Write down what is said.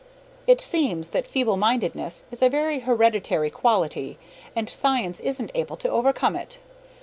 It seems that feeblemindedness is a very hereditary quality, and science isn't able to overcome it.